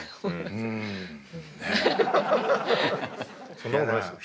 そんなことないですよ。